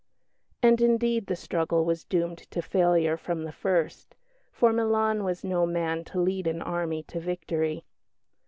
And indeed the struggle was doomed to failure from the first; for Milan was no man to lead an army to victory.